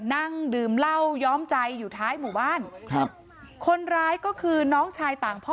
นั่งดื่มเหล้าย้อมใจอยู่ท้ายหมู่บ้านครับคนร้ายก็คือน้องชายต่างพ่อ